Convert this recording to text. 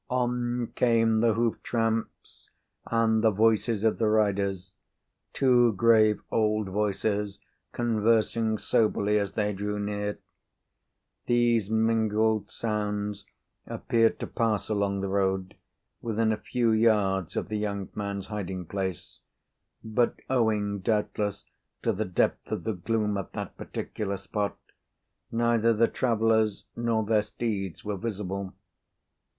On came the hoof tramps and the voices of the riders, two grave old voices, conversing soberly as they drew near. These mingled sounds appeared to pass along the road, within a few yards of the young man's hiding place; but, owing doubtless to the depth of the gloom at that particular spot, neither the travellers nor their steeds were visible.